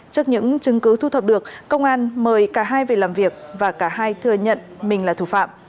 trước những chứng cứ thu thập được công an mời cả hai về làm việc và cả hai thừa nhận mình là thủ phạm